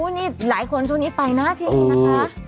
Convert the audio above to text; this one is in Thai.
นี่หลายคนช่วงนี้ไปนะที่นี่นะคะ